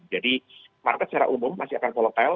jadi market secara umum masih akan volatile